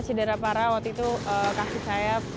cedera para waktu itu kasih saya